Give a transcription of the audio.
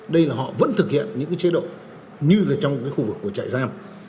đây là họ vẫn thực hiện những chế đội như trong khu vực của chạy giam